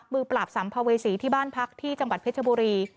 ปราบสัมภเวษีที่บ้านพักที่จังหวัดเพชรบุรี